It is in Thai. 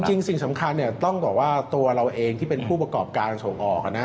สิ่งสำคัญต้องบอกว่าตัวเราเองที่เป็นผู้ประกอบการส่งออกนะ